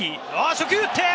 初球打って！